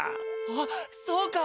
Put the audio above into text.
あっそうか！